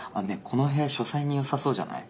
この部屋書斎によさそうじゃない？